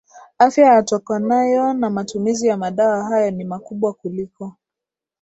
afya yatokanayo na matumizi ya madawa hayo ni makubwa kuliko